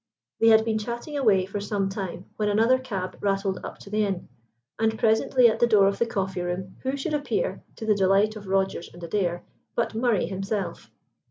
They had been chatting away for some time when another cab rattled up to the inn, and presently at the door of the coffee room who should appear, to the delight of Rogers and Adair, but Murray himself.